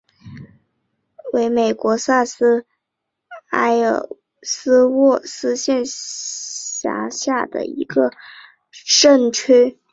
特里沃利镇区为美国堪萨斯州埃尔斯沃思县辖下的镇区。